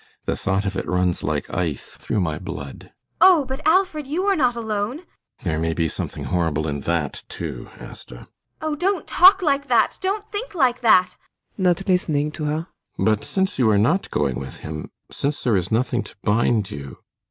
The thought of it runs like ice through my blood ASTA. Oh, but, Alfred, you are not alone. ALLMERS. There may be something horrible in that too, Asta. ASTA. [Oppressed.] Oh, don't talk like that! Don't think like that! ALLMERS. [Not listening to her.] But since you are not going with him ? Since there is nothing to bind you